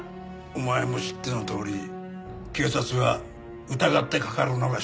お前も知ってのとおり警察は疑ってかかるのが仕事だ。